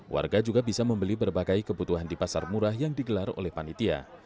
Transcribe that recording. warga juga bisa membeli berbagai kebutuhan di pasar murah yang digelar oleh panitia